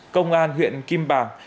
công an huyện kim bàng